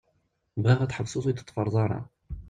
Bɣiɣ ad tḥebseḍ ur yi-d-teṭṭfaṛeḍ ara.